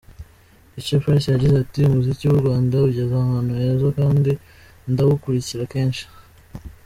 Ice Prince yagize ati “Umuziki w’u Rwanda ugeze ahantu heza kandi ndanawukurika kenshi.